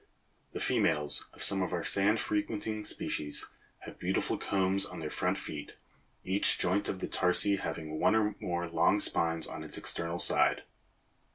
The females of some of our sand frequenting species have beautiful combs on their front feet, each joint of the tarsi having one or more long spines on its external side (figs.